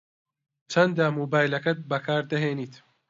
چەندە مۆبایلەکەت بەکار دەهێنیت؟